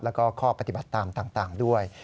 แล้วก็ข้อปฏิบัติตามต่างด้วย